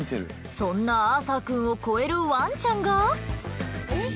そんなアーサーくんを超えるワンちゃんが。